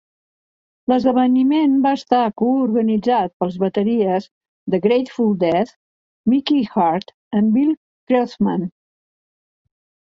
L'esdeveniment va estar coorganitzat pels bateries de Grateful Dead, Mickey Hart i Bill Kreutzmann.